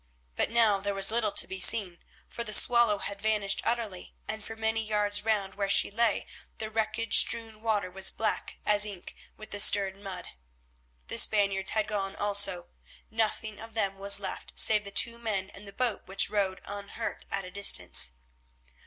But now there was little to be seen, for the Swallow had vanished utterly, and for many yards round where she lay the wreckage strewn water was black as ink with the stirred mud. The Spaniards had gone also, nothing of them was left, save the two men and the boat which rode unhurt at a distance.